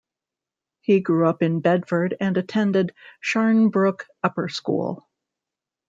He grew up in Bedford and attended Sharnbrook Upper School.